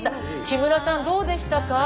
木村さんどうでしたか？